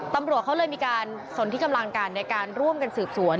ตำรวจเขาเลยมีการสนที่กำลังกันในการร่วมกันสืบสวน